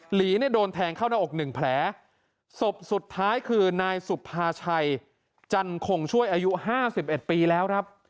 หลีโดนแทงเข้าหน้าอกหนึ่งแผลศพสุดท้ายคือนายสุภาชัยจันคงช่วยอายุ๕๑ปีแล้วครับ